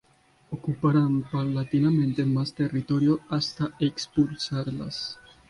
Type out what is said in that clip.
Ocuparán paulatinamente más territorio hasta expulsarla.